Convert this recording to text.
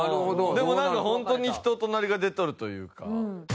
でもホントに人となりが出てるというか。